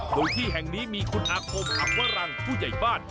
โดยที่แห่งนี้มีคุณอาคมอักวรังผู้ใหญ่บ้าน